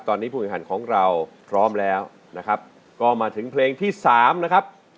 ตอนนี้ผู้แข่งขันของเราพร้อมแล้วนะครับก็มาถึงเพลงที่สามนะครับ